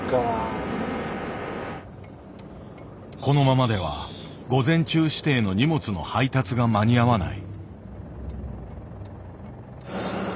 このままでは午前中指定の荷物の配達が間に合わない。